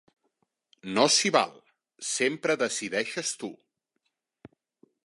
No s'hi val, sempre decideixes tu!